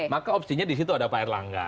maka opsinya di situ ada pak erlangga